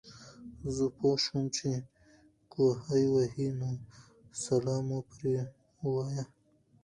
زۀ پوهه شوم چې کوهے وهي نو سلام مو پرې ووې